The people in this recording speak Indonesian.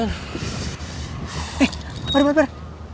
eh aduh bar